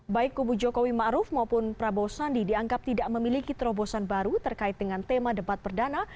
baik kubu jokowi ⁇ maruf ⁇ maupun prabowo sandi dianggap tidak memiliki terobosan baru terkait dengan tema debat perdana